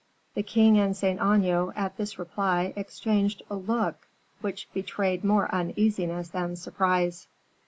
The king and Saint Aignan at this reply exchanged a look which betrayed more uneasiness than surprise.